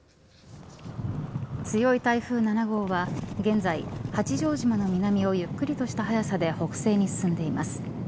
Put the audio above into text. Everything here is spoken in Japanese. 強い台風７号は現在、八丈島の南をゆっくりとした速さで北西に進んでいます。